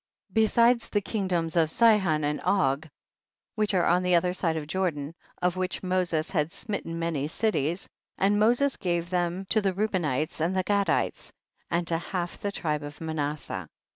52. Besides the kingdoms of Sihon and Og which are on the other side Jordan, of which Moses had smitten many cities, and Moses gave them to the Reubenites and the Gadites and to half the tribe of Manasseh.